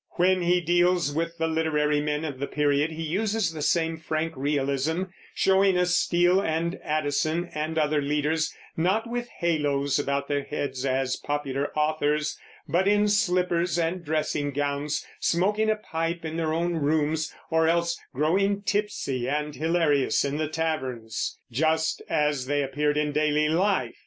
When he deals with the literary men of the period, he uses the same frank realism, showing us Steele and Addison and other leaders, not with halos about their heads, as popular authors, but in slippers and dressing gowns, smoking a pipe in their own rooms, or else growing tipsy and hilarious in the taverns, just as they appeared in daily life.